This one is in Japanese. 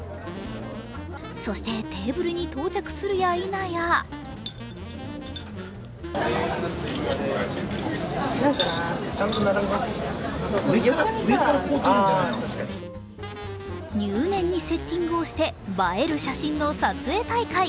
そしてテーブルに到着するやいなや入念にセッティングをして映える写真の撮影大会。